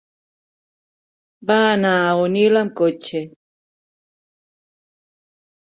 Va anar a Onil amb cotxe.